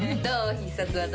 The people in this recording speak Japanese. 必殺技。